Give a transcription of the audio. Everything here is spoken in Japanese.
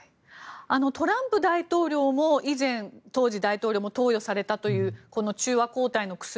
トランプ大統領も以前、投与されたというこの中和抗体の薬。